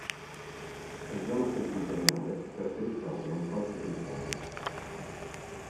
La zona presbiterale è caratterizzata da un falso triforio.